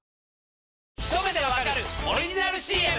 『ひと目でわかる‼』オリジナルＣＭ！